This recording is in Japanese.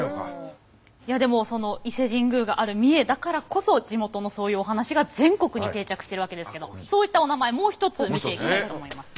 いやでもその伊勢神宮がある三重だからこそ地元のそういうお話が全国に定着しているわけですけどもそういったお名前もう一つ見ていきたいと思います。